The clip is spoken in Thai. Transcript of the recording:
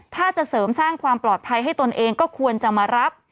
ถ้าจะเสริมสร้างความปลอดภัยให้ตนเองก็ควรจะมารับ